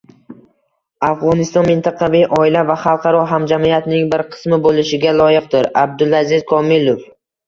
Afg‘oniston mintaqaviy oila va xalqaro hamjamiyatning bir qismi bo‘lishga loyiqdir – Abdulaziz Komilov